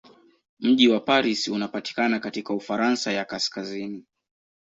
Mji wa Paris unapatikana katika Ufaransa ya kaskazini.